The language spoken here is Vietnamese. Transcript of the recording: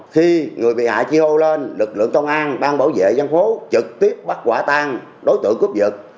khi người bị hại chia lô lên lực lượng công an bang bảo vệ dân phố trực tiếp bắt quả tan đối tượng cướp giật